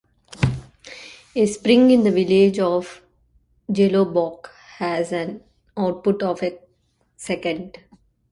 A spring in the village of Jeloboc has an output of a second.